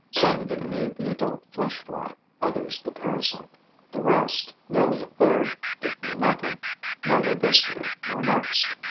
Some give me the adult flesh fly, others the parasite. The rest, nearly a third, give me nothing, neither this year nor next.